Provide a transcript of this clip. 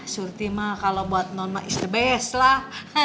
surti mah kalau buat non mah is the best lah